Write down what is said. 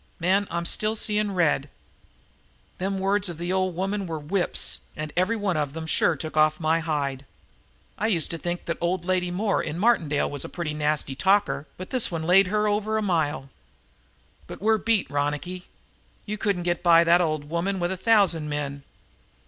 Man, I'm still seeing red. Them words of the old woman were whips, and every one of them sure took off the hide. I used to think that old lady Moore in Martindale was a pretty nasty talker, but this one laid over her a mile. But we're beat, Ronicky. You couldn't get by that old woman with a thousand men."